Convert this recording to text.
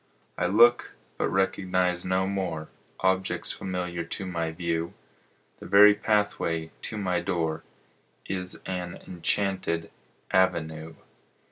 I look, but recognize no more Objects familiar to my view; The very pathway to my door Is an enchanted avenue.